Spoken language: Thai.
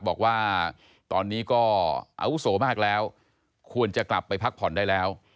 บอกว่าตอนนี้ก็อาวุโสมากแล้วควรจะกลับไปพักผ่อนได้แล้ว